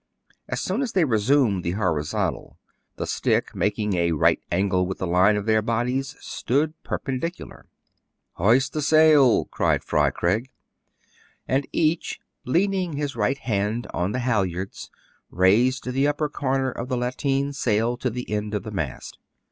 As soon as they resumed the horizontal, the stick, making a right angle with the line of their bodies, stood perpen dicularly. " Hoist the sail !'' cried Fry Craig. And each, leaning his right hand on the hal yards, raised the upper corner of the lateen sail to the end of the mast.